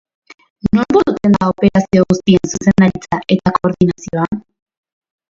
Non burutzen da operazio guztien zuzendaritza eta koordinazioa?